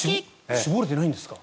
絞れてないんですか？